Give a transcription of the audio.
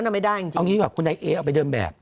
เอาอย่างงี้ดีกว่าคุณนายเอเอเอาไปเดินแบบ